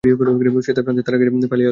সেথায় ফ্রান্সের তাড়া খেয়ে পালিয়ে এল।